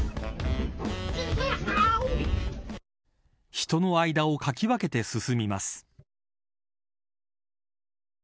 人の間をかき分けて進みます。